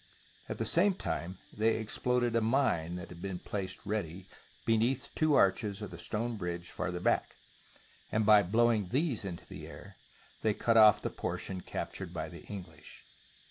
At the same time they exploded a mine that had been placed ready beneath two arches of the stone bridge farther back, and by blowing these into the air, they cut off the portion captured by the English.